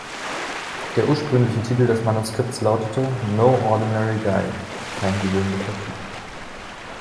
Der ursprüngliche Titel des Manuskripts lautete „No Ordinary Guy“ (Kein gewöhnlicher Typ).